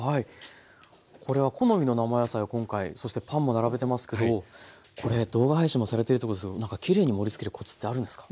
これは好みの生野菜を今回そしてパンも並べてますけどこれ動画配信もされてるということですが何かきれいに盛りつけるコツってあるんですか？